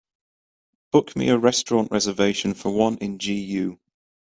Book me a restaurant reservation for one in GU